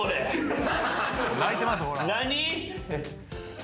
何？